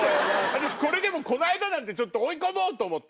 私これでもこの間なんてちょっと追い込もう！と思って。